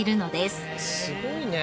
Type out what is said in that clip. すごいね。